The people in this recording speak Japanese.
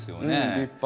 立派。